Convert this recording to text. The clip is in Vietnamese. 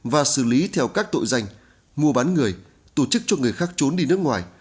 và xử lý theo các tội danh mua bán người tổ chức cho người khác trốn đi nước ngoài